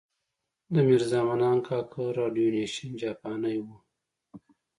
د میرزا منان کاکو راډیو نېشن جاپانۍ وه.